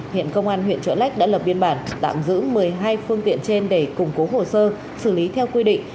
hiện công an huyện trợ lách đã lập biên bản tạm giữ một mươi hai phương tiện trên để củng cố hồ sơ xử lý theo quy định